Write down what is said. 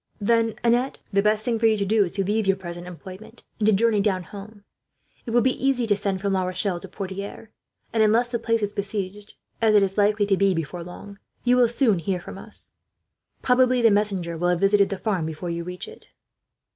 "Then, Annette, the best thing for you to do is to leave your present employment, and to journey down home. It will be easy to send from La Rochelle to Poitiers, and unless the place is besieged, as it is likely to be before long, you will soon hear from us. Probably the messenger will have visited the farm before you reach it."